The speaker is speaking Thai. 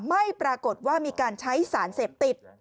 ไม่ปรากฏว่ามีการใช้สารเสพติด